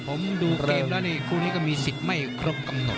ผมดูเกมแล้วนี่คู่นี้ก็มีสิทธิ์ไม่ครบกำหนด